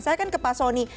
saya akan ke pak soni